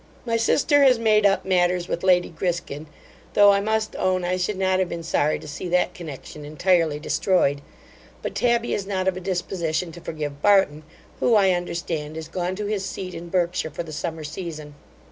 My sister has made up matters with lady Griskin; though, I must own, I should not have been sorry to see that connexion entirely destroyed: but Tabby is not of a disposition to forgive Barton, who, I understand, is gone to his seat in Berkshire for the summer season.